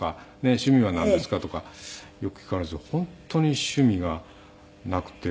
趣味はなんですか？とかよく聞かれるんですけど本当に趣味がなくて。